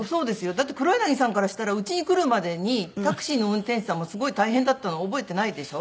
だって黒柳さんからしたらうちに来るまでにタクシーの運転手さんもすごい大変だったの覚えてないでしょ？